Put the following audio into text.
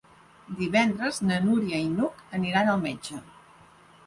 Divendres na Núria i n'Hug aniran al metge.